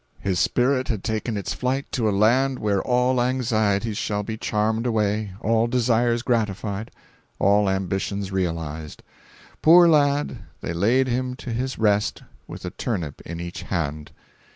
His spirit had taken its flight to a land where all anxieties shall be charmed away, all desires gratified, all ambitions realized. Poor lad, they laid him to his rest with a turnip in each hand."